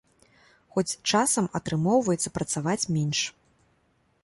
Хоць часам атрымоўваецца працаваць менш.